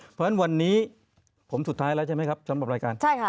เพราะฉะนั้นวันนี้ผมสุดท้ายแล้วใช่ไหมครับสำหรับรายการ